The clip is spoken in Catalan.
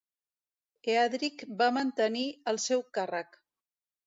Eadric va mantenir el seu càrrec.